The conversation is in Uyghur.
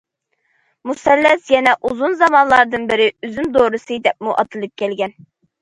مۇسەللەس يەنە ئۇزۇن زامانلاردىن بىرى« ئۈزۈم دورىسى» دەپمۇ ئاتىلىپ كەلگەن.